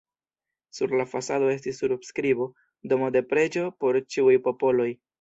Sur la fasado estis surskribo: "Domo de preĝo por ĉiuj popoloj".